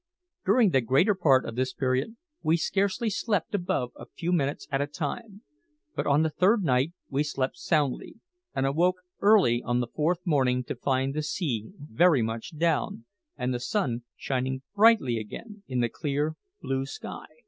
During the greater part of this period we scarcely slept above a few minutes at a time; but on the third night we slept soundly, and awoke early on the fourth morning to find the sea very much down, and the sun shining brightly again in the clear blue sky.